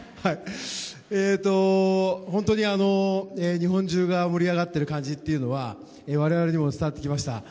日本中が盛り上がっている感じというのは我々にも伝わってきました。